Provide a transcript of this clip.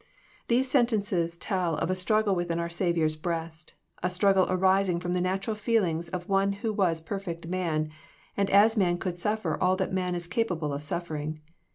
These sentences tell of a struggle within our Saviour'8 breast, a struggle arising from the natural feelings of one who was perfect man, and as man could suffer all that man is capable of suffering.